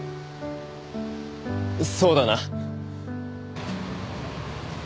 そうだな。